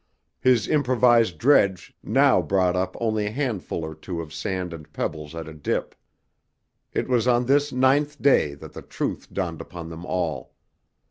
His improvised dredge now brought up only a handful or two of sand and pebbles at a dip. It was on this ninth day that the truth dawned upon them all.